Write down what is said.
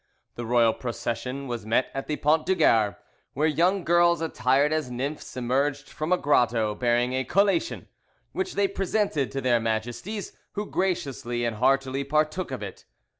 The royal procession was met at the Pont du Gare, where young girls attired as nymphs emerged from a grotto bearing a collation, which they presented to their Majesties, who graciously and heartily partook of it.